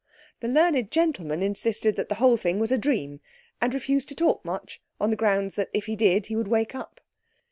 The learned gentleman insisted that the whole thing was a dream, and refused to talk much, on the ground that if he did he would wake up.